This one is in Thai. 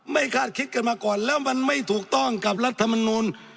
คาดคิดกันมาก่อนแล้วมันไม่ถูกต้องกับรัฐมนูล